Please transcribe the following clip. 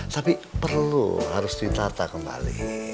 tapi perlu harus ditata kembali